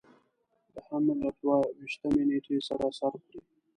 د حمل له دوه ویشتمې نېټې سره سر خوړ.